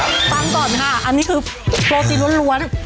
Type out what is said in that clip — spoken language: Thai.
ฟังก่อนค่ะอันนี้คือโปรตีนล้วน